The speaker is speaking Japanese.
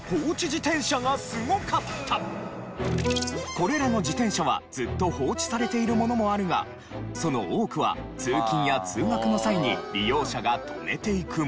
これらの自転車はずっと放置されているものもあるがその多くは通勤や通学の際に利用者が止めていくもの。